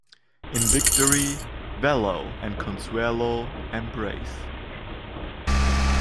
In victory Vallo and Consuelo embrace.